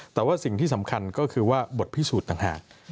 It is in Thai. แต่ว่าสิ่งที่สำคัญก็คือว่าบทพิสูจน์ต่างหาก